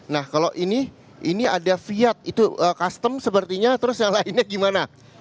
nah kalau ini ini ada fiat itu custom sepertinya terus yang lainnya gimana